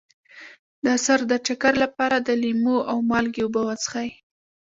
د سر د چکر لپاره د لیمو او مالګې اوبه وڅښئ